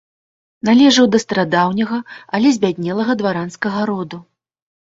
Належаў да старадаўняга, але збяднелага дваранскага роду.